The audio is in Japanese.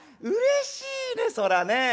うれしいねそらね」。